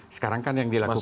sekarang kan yang dilakukan